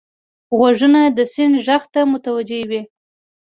غوږونه د سیند غږ ته متوجه وي